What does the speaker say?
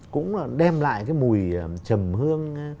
cũng là đem lại cái mùi trầm hương